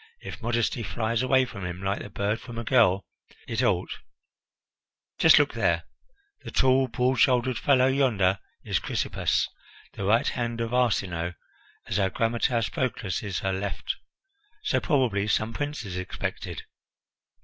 if modesty flies away from him like the bird from a girl, it ought Just look there! The tall, broad shouldered fellow yonder is Chrysippus, the right hand of Arsinoe, as our grammateus Proclus is her left. So probably some prince is expected."